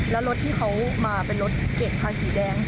แล้วรถที่เขามาเป็นรถเก่งคันสีแดง